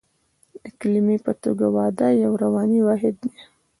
د کلمې په توګه واده یو رواني واحد دی